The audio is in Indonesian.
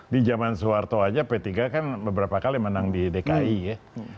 di zaman soeharto aja p tiga kan beberapa kali menang di dki ya